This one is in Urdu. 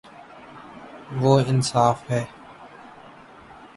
وہ انصا ف ہے